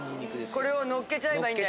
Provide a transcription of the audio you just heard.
これをのっけちゃえば良いんだ。